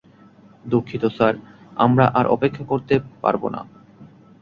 দুঃখিত স্যার, আমরা আর অপেক্ষা করতে পারব না!